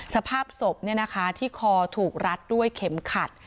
สภาพศพที่คอถูกรัดด้วยเข็มขัด